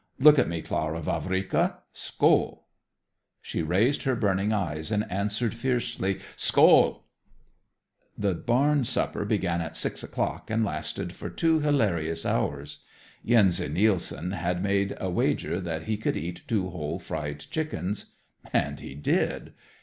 "Look at me, Clara Vavrika. Skoal!" She raised her burning eyes and answered fiercely: "Skoal!" The barn supper began at six o'clock and lasted for two hilarious hours. Yense Nelson had made a wager that he could eat two whole fried chickens, and he did.